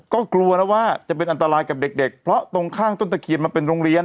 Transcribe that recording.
ก็กลัวนะว่าจะเป็นอันตรายกับเด็กเพราะตรงข้างต้นตะเคียนมันเป็นโรงเรียน